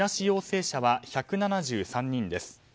陽性者は１７３人です。